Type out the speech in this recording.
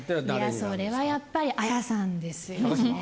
それはやっぱり彩さんですよね。